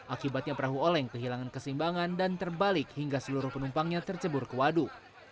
akibatnya perahu oleng kehilangan keseimbangan dan terbalik hingga seluruh penumpangnya tercebur ke waduk